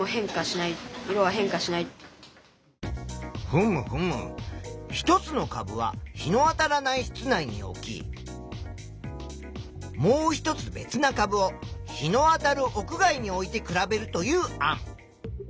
ふむふむ１つの株は日のあたらない室内に置きもう一つ別な株を日のあたる屋外に置いて比べるという案。